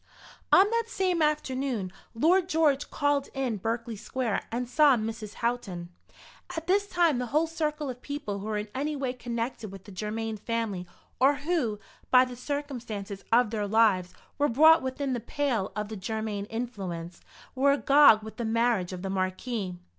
On that same afternoon Lord George called in Berkeley Square and saw Mrs. Houghton. At this time the whole circle of people who were in any way connected with the Germain family, or who, by the circumstances of their lives were brought within the pale of the Germain influence, were agog with the marriage of the Marquis.